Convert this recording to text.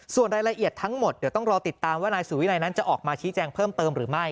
ส่วนรายละเอียดทั้งหมดเดี๋ยวต้องรอติดตามว่านายสุวินัยนั้นจะออกมาชี้แจงเพิ่มเติมหรือไม่